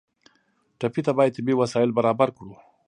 ټپي ته باید طبي وسایل برابر کړو.